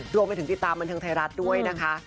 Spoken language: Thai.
รวมไปถึงติดตามบันเทิงไทยรัฐด้วยนะคะ